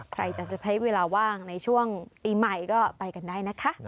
ใครจะใช้เวลาว่างในช่วงปีใหม่ก็ไปกันได้นะคะ